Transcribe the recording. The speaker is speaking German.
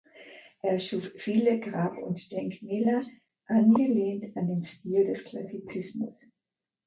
Er schuf viele Grab- und Denkmäler, angelehnt an den Stil des Klassizismus.